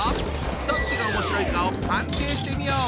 どっちがおもしろいかを判定してみよう！